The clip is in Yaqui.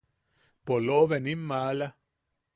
¡Polobe nim maala!